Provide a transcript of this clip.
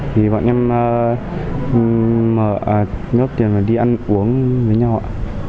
vì bọn em nhớp tiền và đi ăn uống với nhau ạ